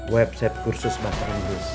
website kursus bahasa inggris